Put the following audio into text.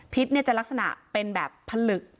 พิษเนี่ยจะลักษณะเป็นแบบผลึก